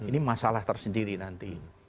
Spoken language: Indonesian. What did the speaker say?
ini masalah tersendiri nanti